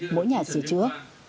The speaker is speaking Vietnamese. mỗi nhà sửa chữa